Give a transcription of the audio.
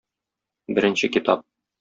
Беренче китап.